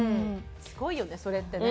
すごいよねそれってね。